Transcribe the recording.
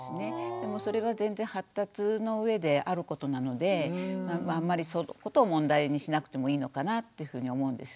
でもそれは全然発達の上であることなのであんまりそのことを問題にしなくてもいいのかなってふうに思うんです。